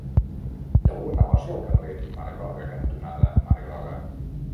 Hi ha algun negoci al carrer Mar Groga cantonada Mar Groga?